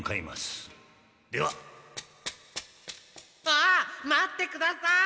あっ待ってください！